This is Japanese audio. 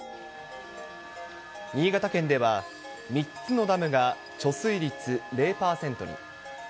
新潟県では、３つのダムが貯水率０％に。